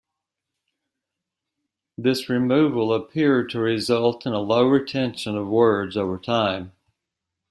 This removal appeared to result in a low retention of words over time.